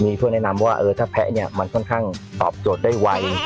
มีเพื่อแนะนำว่าถ้าแพ้เนี่ยมันค่อนข้างตอบโจทย์ได้ไว